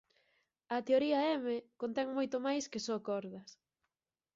A teoría M contén moito máis que só cordas.